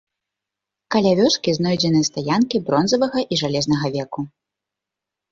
Каля вёскі знойдзены стаянкі бронзавага і жалезнага веку.